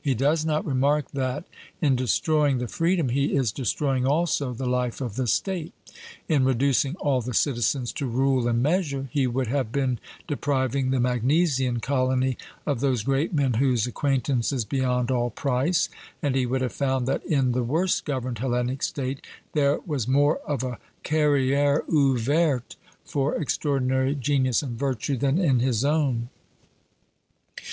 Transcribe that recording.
He does not remark that, in destroying the freedom he is destroying also the life of the State. In reducing all the citizens to rule and measure, he would have been depriving the Magnesian colony of those great men 'whose acquaintance is beyond all price;' and he would have found that in the worst governed Hellenic State, there was more of a carriere ouverte for extraordinary genius and virtue than in his own.